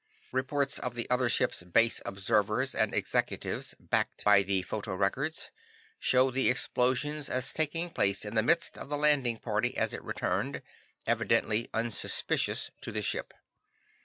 "Reports of the other ships' Base Observers and Executives, backed by the photorecords, show the explosions as taking place in the midst of the landing party as it returned, evidently unsuspicious, to the ship.